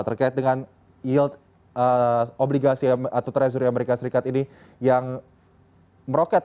terkait dengan yield obligasi atau treasury amerika serikat ini yang meroket